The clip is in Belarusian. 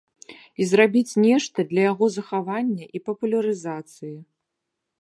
І зрабіць нешта для яго захавання і папулярызацыі.